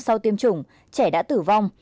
sau tiêm chủng trẻ đã tử vong